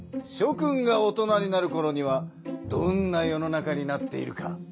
君が大人になるころにはどんな世の中になっているか。